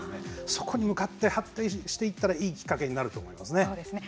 そこに向かって発展していったらいいきっかけになると思いますね。